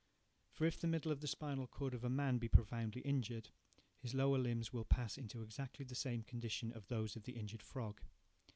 For if the middle of the spinal cord of a man be profoundly injured, his lower limbs will pass into exactly the same condition of those of the injured frog.